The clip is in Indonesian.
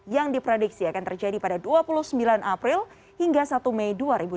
yang diprediksi akan terjadi pada dua puluh sembilan april hingga satu mei dua ribu dua puluh